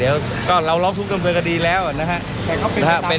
เดี๋ยวก็เราลองทุกคำสั่งคดีแล้วนะฮะ